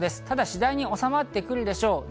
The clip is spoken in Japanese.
ただ次第に収まってくるでしょう。